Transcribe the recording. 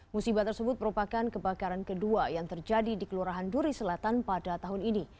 musibah tersebut merupakan kebakaran kedua yang terjadi di kelurahan duri selatan pada tahun ini